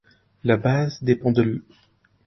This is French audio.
La base dépend de l'.